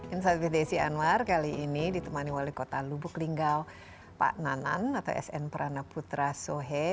insight with desi anwar kali ini ditemani wali kota lubuk linggau pak nanan atau sn pranaputra sohe